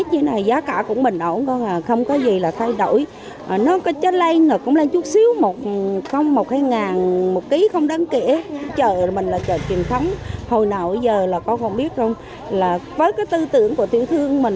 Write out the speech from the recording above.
vì mặt giá cả là chợ còn là đi rất là lợi chủng